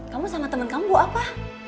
kamu sama temen kamu apa